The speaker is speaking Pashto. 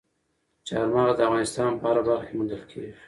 چار مغز د افغانستان په هره برخه کې موندل کېږي.